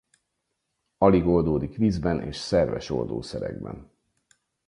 Alig oldódik vízben és szerves oldószerekben.